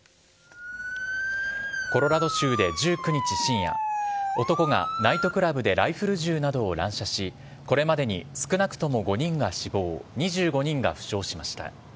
コロラド州で１９日深夜、男がナイトクラブでライフル銃などを乱射し、これまでに少なくとも５人が死亡、２５人が負傷しました。